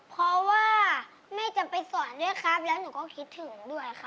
เพราะว่าแม่จะไปสอนด้วยครับแล้วหนูก็คิดถึงด้วยค่ะ